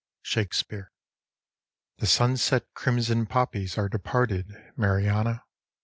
_" Shakespeare. The sunset crimson poppies are departed, Mariana!